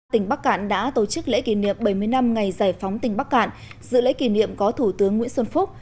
tỉnh bắc cạn đã tổ chức lễ kỷ niệm bảy mươi năm ngày giải phóng tỉnh bắc cạn dự lễ kỷ niệm có thủ tướng nguyễn xuân phúc